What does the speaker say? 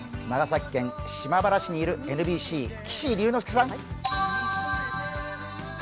長崎県島原市にいるＮＢＣ・岸竜之介さん。